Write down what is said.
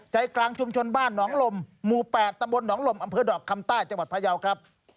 ใจกลางชุมชนบ้านหนองลมหมู่๘ตำบลหนองลมอำเภอดอกคำใต้จังหวัดพยาวครับ